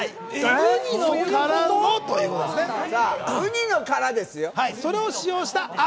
ウニの殻ですよ。